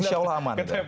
insya allah aman